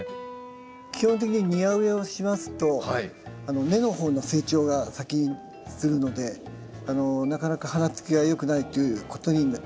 基本的に庭植えをしますと根の方の成長が先にするのでなかなか花つきが良くないということになることが多いですね。